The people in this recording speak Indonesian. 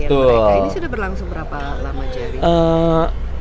ini sudah berlangsung berapa lama jerry